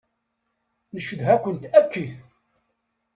Ncedha-kent akkit.